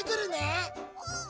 うん！